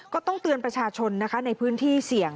ก็ต้องเตือนประชาชนนะคะในพื้นที่เสี่ยง